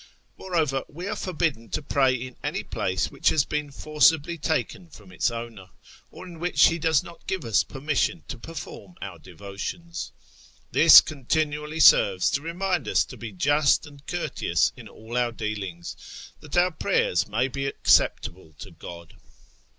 Moreover, we are forbidden to pray in any place which has been forcibly taken from its owner, or in which he does not give us permission to perform our devotions. This continually serves to remind us to be just and courteous in all our dealings, that our prayers may be acceptable to God."